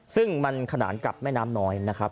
ซึ่งมันขนานกับแม่น้ำน้อยนะครับ